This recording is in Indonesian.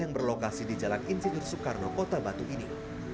yang berlokasi di jalan insinyur soekarno kota batu ini